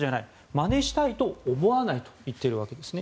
まねしたいと思わないと言っているわけですね。